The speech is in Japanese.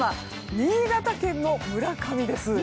新潟県の村上です。